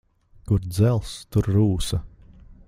Kur dzelzs, tur rūsa.